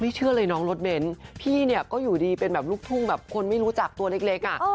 เชื่อเลยน้องรถเบ้นพี่เนี่ยก็อยู่ดีเป็นแบบลูกทุ่งแบบคนไม่รู้จักตัวเล็กอ่ะ